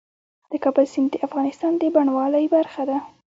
د کابل سیند د افغانستان د بڼوالۍ برخه ده.